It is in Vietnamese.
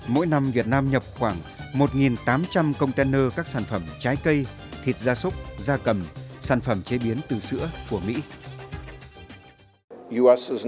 mỗi năm việt nam nhập khoảng một tám trăm linh container các sản phẩm trái cây thịt da súc da cầm sản phẩm chế biến từ sữa của mỹ